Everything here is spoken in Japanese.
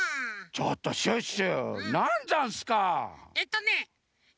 ちょっとシュッシュ！